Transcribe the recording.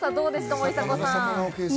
森迫さん。